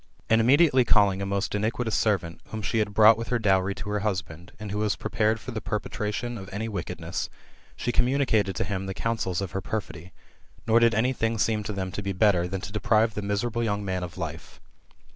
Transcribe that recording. And immedi ately calling a most iniquitous servant, whom she had brought with her dowry to her husbland, and who was prepared for the perpetration of any wickedness, she communicated to him the counsels of her perfidy ; nor did any thing seem to them to be better, than to deprive the miserable young man of life.